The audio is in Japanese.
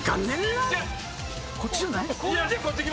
こっちじゃない？